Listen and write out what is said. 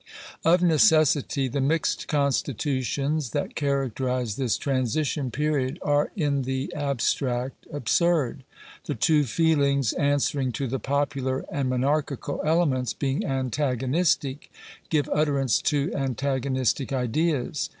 Of necessity the mixed con stitutions that characterize this transition period, are in the ab stract absurd. The two feelings answering to the popular and monarchical elements, being antagonistic, give utterance to an tagonistic ideas.